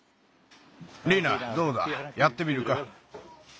リナどうだやってみるか？